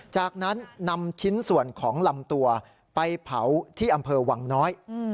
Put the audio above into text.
จากนั้นนำชิ้นส่วนของลำตัวไปเผาที่อำเภอวังน้อย